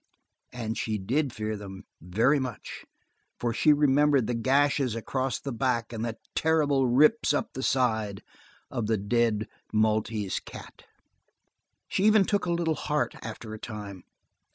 And she did fear them, very much, for she remembered the gashes across the back and the terrible rips up the side, of the dead Maltese cat. She even took a little heart, after a time.